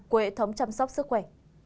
của hệ thống chăm sóc sức khỏe